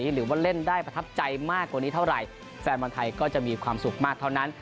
หรือว่าเล่นได้ประทับใจมากกว่านี้เท่าไหร่แฟนบอลไทยก็จะมีความสุขมากเท่านั้น